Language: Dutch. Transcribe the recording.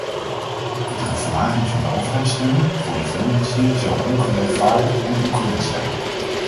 Iedere verlaging van de overheidssteun voor de filmindustrie zou ongerechtvaardigd en ongewenst zijn.